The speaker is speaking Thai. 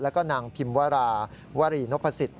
แล้วก็นางพิมวาราวรีนพสิทธิ